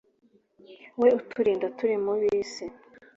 we uturinda turi mu b'isi